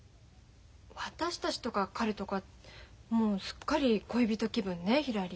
「私たち」とか「彼」とかもうすっかり恋人気分ねひらり。